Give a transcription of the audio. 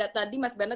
tadi mas bernard